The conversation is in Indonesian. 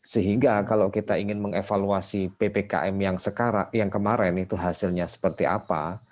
sehingga kalau kita ingin mengevaluasi ppkm yang kemarin itu hasilnya seperti apa